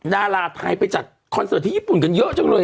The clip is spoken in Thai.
ดาราไทยไปจัดคอนเสิร์ตที่ญี่ปุ่นกันเยอะจังเลย